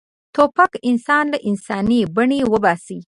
توپک انسان له انساني بڼې وباسي.